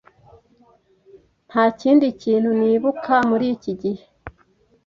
Nta kindi kintu nibuka muri iki gihe.